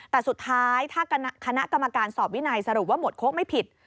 แต่สุดท้ายถ้าคณะกรรมการสอบวินัยสรุปว่าหวดโค้กไม่ผิด